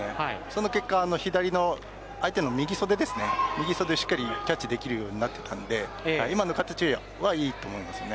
その結果、左の相手の右袖をしっかりキャッチできるようになっているので今の形はいいと思います。